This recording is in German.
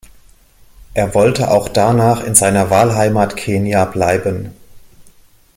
Er wollte auch danach in seiner Wahlheimat Kenia bleiben.